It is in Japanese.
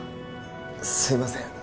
すいません